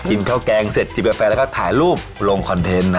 กินข้าวแกงเสร็จจิบกาแฟแล้วก็ถ่ายรูปลงคอนเทนต์